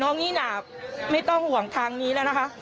น้องนี่หนาไม่ต้องห่วงทางนี้แล้วนะคะ